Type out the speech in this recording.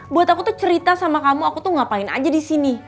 buat aku tuh cerita sama kamu aku tuh ngapain aja di sini